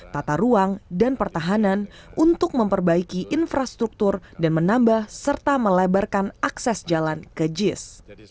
tata ruang dan pertahanan untuk memperbaiki infrastruktur dan menambah serta melebarkan akses jalan ke jis